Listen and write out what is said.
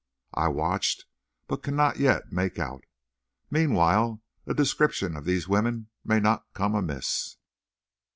I watch, but cannot yet make out. Meanwhile a description of these women may not come amiss.